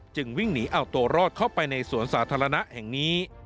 วิ่งหนีเอาตัวรอดเข้าไปในสวนสาธารณะแห่งนี้